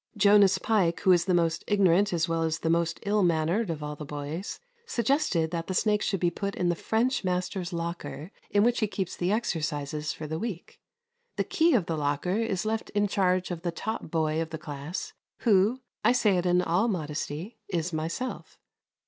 Jonas Pike, who is the most ignorant as well as the most ill mannered of all the boys, suggested that the snake should be put into the French master's locker, in which he keeps the exercises for the week. The key of the locker is left in charge of the top boy of the class, who, I say it in all modesty, is myself.